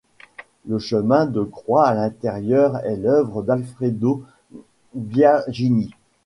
Le chemin de croix à l'intérieur est l'œuvre d'Alfredo Biagini.